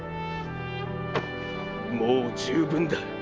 もう十分だ。